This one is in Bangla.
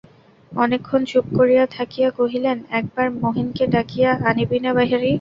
অনেকক্ষণ চুপ করিয়া থাকিয়া কহিলেন, একবার মহিনকে ডাকিয়া আনিবিনা, বেহারি?